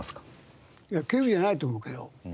いや稀有じゃないと思うけど。